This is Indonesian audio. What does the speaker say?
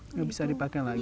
nggak bisa dipakai lagi